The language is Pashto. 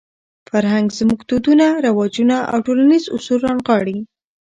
فرهنګ زموږ دودونه، رواجونه او ټولنیز اصول رانغاړي.